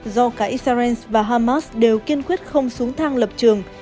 do cả israel và hamas đều kiên quyết không xuống thang lập trường